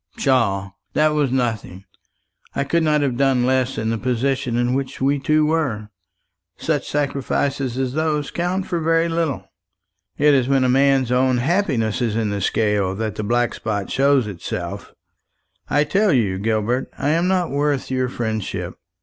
"Pshaw! that was nothing. I could not have done less in the position in which we two were. Such sacrifices as those count for very little. It is when a man's own happiness is in the scale that the black spot shows itself. I tell you, Gilbert, I am not worth your friendship.